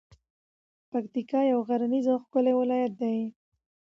پکتیکا یو غرنیز او ښکلی ولایت ده.